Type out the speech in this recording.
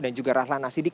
dan juga rahlan nasidik